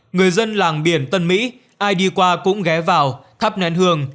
người dân làng biển tân mỹ ai đi qua cũng ghé vào thắp nén hương